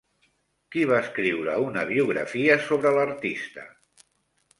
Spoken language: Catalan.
Qui va escriure una biografia sobre l'artista?